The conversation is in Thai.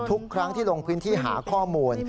ทุกครั้งที่ลงพื้นที่หาข้อมูล